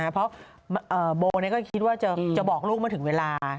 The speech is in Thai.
เพราะโบก็คิดว่าจะบอกลูกเมื่อถึงเวลา